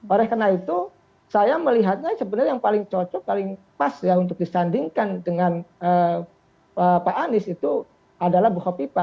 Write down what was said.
oleh karena itu saya melihatnya sebenarnya yang paling cocok paling pas ya untuk disandingkan dengan pak anies itu adalah bukopipa